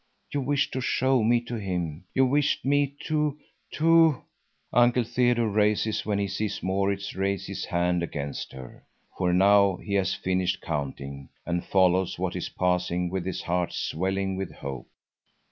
You wished to show me to him; you wished me to—to—" Uncle Theodore rises when he sees Maurits raise his hand against her. For now he has finished counting, and follows what is passing with his heart swelling with hope.